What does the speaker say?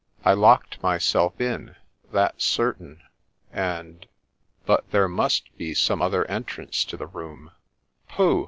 ' I locked myself in, that 's certain ; and — but there must be some other entrance to the room — pooh